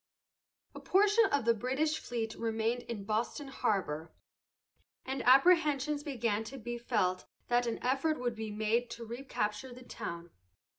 A portion of the British fleet remained in Boston harbor, and apprehensions began to be felt that an effort would be made to recapture the town.